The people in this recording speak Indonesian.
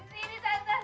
terus modinya seksi